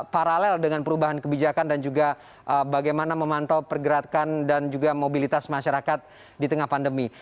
paralel dengan perubahan kebijakan dan juga bagaimana memantau pergerakan dan juga mobilitas masyarakat di tengah pandemi